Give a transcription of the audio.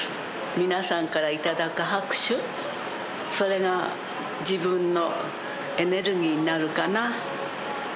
皆さんから頂く拍手、それが自分のエネルギーになるかな。